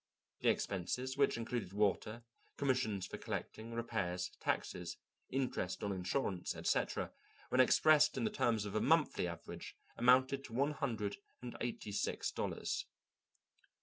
The expenses, which included water, commissions for collecting, repairs, taxes, interest on insurance, etc., when expressed in the terms of a monthly average, amounted to one hundred and eighty six dollars.